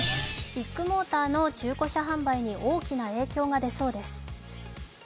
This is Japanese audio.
ビッグモーターの中古車販売に大きな影響が出そうです。